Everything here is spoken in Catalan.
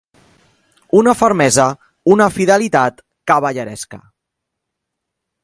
Una fermesa, una fidelitat, cavalleresca.